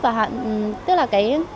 và hạn tức là cái ngày sản xuất của sản phẩm